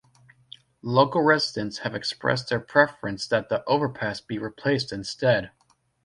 Local residents had expressed their preference that the overpass be replaced instead.